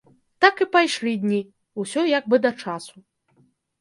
Так і пайшлі дні, усё як бы да часу.